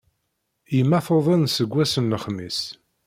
Yemma tuḍen seg wass n lexmis.